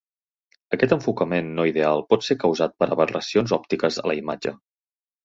Aquest enfocament no ideal pot ser causat per aberracions òptiques a la imatge.